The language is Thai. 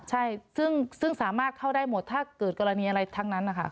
ใช่ซึ่งสามารถเข้าได้หมดถ้าเกิดกรณีอะไรทั้งนั้นนะคะ